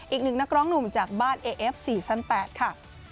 อีกหนึ่งนักร้องหนุ่มจากบ้านเอเอฟ๔ชั้น๘ค่ะ